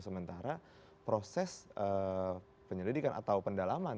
sementara proses penyelidikan atau pendalaman